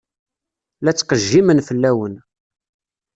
La ttqejjimen fell-awen.